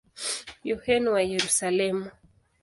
Yohane wa Yerusalemu.